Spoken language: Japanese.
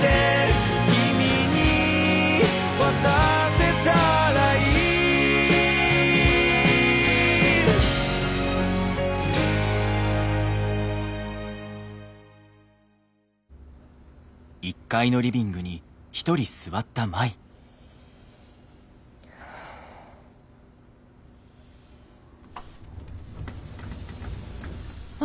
「君に渡せたらいい」ああ。